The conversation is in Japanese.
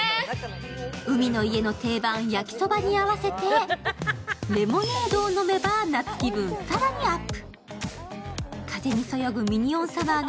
海の家の定番・焼きそばに合わせてレモネードを飲めば夏気分更にアップ。